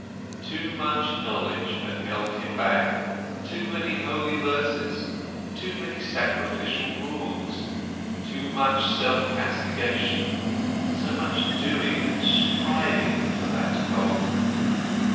Too much knowledge had held him back, too many holy verses, too many sacrificial rules, to much self castigation, so much doing and striving for that goal!